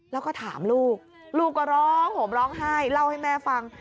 แล้วก็ถามลูกลูกก็ร้องห่มร้องไห้เล่าให้แม่ฟัง